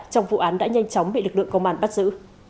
trong vụ án đã nhanh chóng bị lực lượng công an bắt giữ